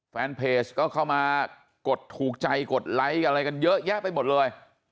แฟนเพจก็เข้ามากดถูกใจกดไลค์อะไรกันเยอะแยะไปหมดเลย